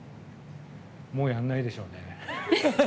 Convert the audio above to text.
もうやんないでしょうね。